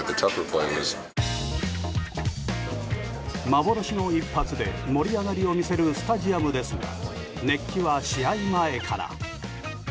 幻の一発で盛り上がりを見せるスタジアムですが熱気は、試合前から。